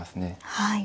はい。